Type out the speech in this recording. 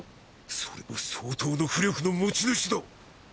それも相当な巫力の持ち主だ。